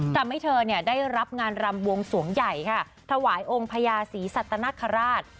ทำให้เธอได้รับงานรำบวงสวงใหญ่ค่ะถวายองค์พญาศรีสัตนคราช